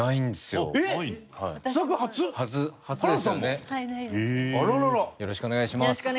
よろしくお願いします。